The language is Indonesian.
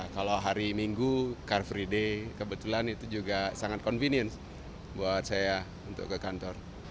kalau hari minggu car free day kebetulan itu juga sangat convenience buat saya untuk ke kantor